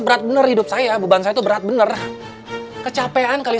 mau kemana kamu rapi begini